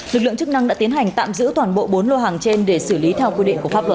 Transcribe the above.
lực lượng chức năng đã tiến hành tạm giữ toàn bộ bốn lô hàng trên để xử lý theo quy định của pháp luật